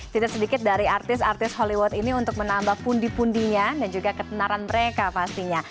tidak sedikit dari artis artis hollywood ini untuk menambah pundi pundinya dan juga ketenaran mereka pastinya